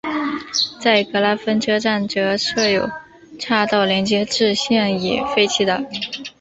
在格拉芬车站则设有岔道连接至现已废弃的。